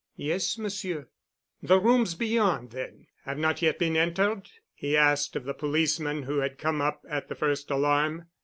"Yes, Monsieur." "The rooms beyond, then, have not yet been entered?" he asked of the policeman who had come up at the first alarm.